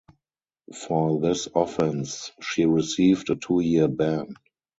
For this offence she received a two-year ban.